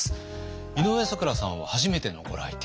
井上咲楽さんは初めてのご来店。